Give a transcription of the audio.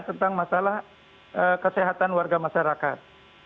tentang masalah kesehatan warga masyarakat